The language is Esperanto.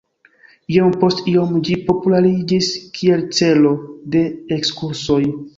Iom post iom ĝi populariĝis kiel celo de ekskursoj.